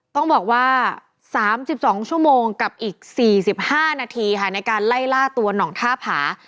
ต้องบอกว่าสามสิบสองชั่วโมงกับอีกสี่สิบห้านาทีค่ะในการไล่ล่าตัวหน่องท่าผา